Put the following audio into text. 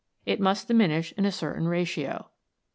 It must diminish in a certain ratio.